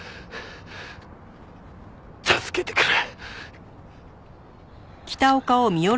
助けてくれ！